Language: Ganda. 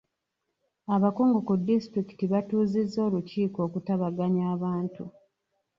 Abakungu ku disitulikiti batuuzizza olukiiko okutabaganya abantu.